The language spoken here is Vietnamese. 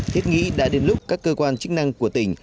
thiết nghĩ đã đến lúc các cơ quan chức năng của tỉnh